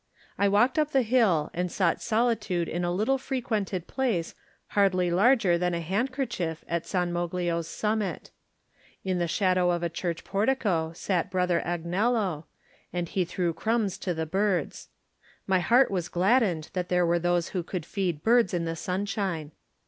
I walked up the hill and sought solitude in a little frequented place hardly larger than a handkerchief at San Moglio's summit. In the shadow of a church portico sat Brother Agnello, and he threw crumbs to the birds. My heart was gladdened that there were those who could feed birds in the sunshine.